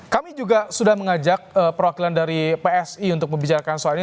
kami juga sudah mengajak perwakilan dari psi untuk membicarakan soal ini